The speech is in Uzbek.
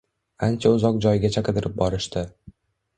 Ancha uzoq joygacha qidirib borishdi